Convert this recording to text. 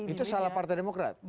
itu salah partai demokrat